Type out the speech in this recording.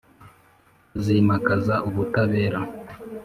Azimakaza ubutabera.